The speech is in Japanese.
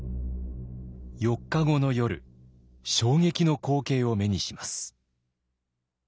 ４日後の夜衝撃の光景を目にします。